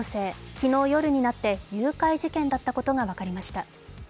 昨日夜になって誘拐事件だったことが分かりました。